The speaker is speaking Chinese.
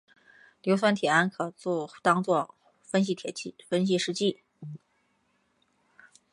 硫酸铁铵可当作分析试剂。